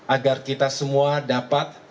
agar kita semua dapat